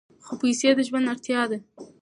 خو پیسې د ژوند اړتیا ده.